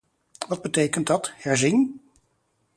Wat betekent dat: herzien?